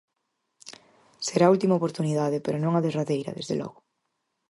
Será última oportunidade, pero non a derradeira, desde logo.